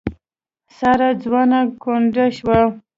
ساره ځوانه کونډه شوه.